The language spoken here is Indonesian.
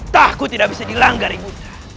tidak bisa dilanggar ibu